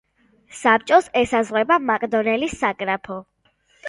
საბჭოს ესაზღვრება მაკდონელის საგრაფო.